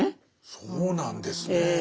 そうなんですね。